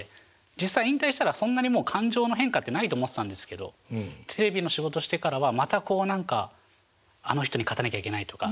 実際引退したらそんなにもう感情の変化ってないと思ってたんですけどテレビの仕事してからはまたこう何か「あの人に勝たなきゃいけない」とか。